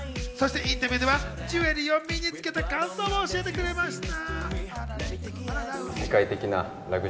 インタビューではジュエリーを身につけた感想を教えてくれました。